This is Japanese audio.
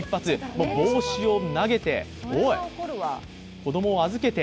もう帽子を投げて「おい！」子供を預けて。